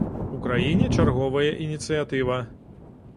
У краіне чарговая ініцыятыва.